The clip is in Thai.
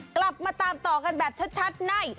กลับมาตามต่อกันแบบชัดใน